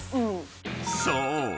［そう。